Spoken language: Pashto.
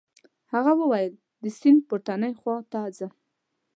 هغه وویل د سیند پورتنۍ خواته ځم.